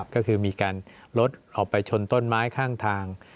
ก็คือมีการรถออกไปชนต้นไม้ข้างทาง